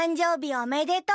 おめでとう！